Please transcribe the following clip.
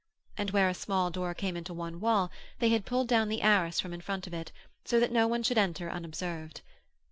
And where a small door came into one wall they had pulled down the arras from in front of it, so that no one should enter unobserved.